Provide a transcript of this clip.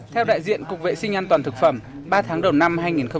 theo đại diện cục vệ sinh an toàn thực phẩm ba tháng đầu năm hai nghìn một mươi sáu